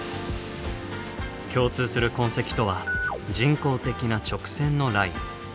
共通する痕跡とは人工的な直線のライン。